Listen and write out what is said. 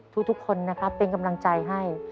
ทุกคนนะครับเป็นกำลังใจให้